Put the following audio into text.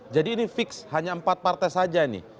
jadi ini fix hanya empat partai saja nih